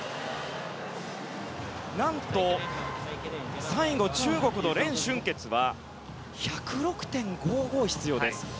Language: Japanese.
何と、最後中国のレン・シュンケツは１０６．５５必要です。